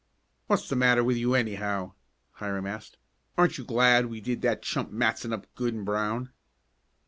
"What's the matter with you, anyhow?" Hiram asked. "Aren't you glad we did that chump Matson up good and brown?"